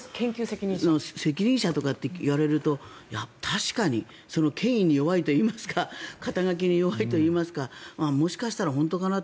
その責任者とか言われると確かに、権威に弱いといいますか肩書に弱いと言いますかもしかしたら本当かな？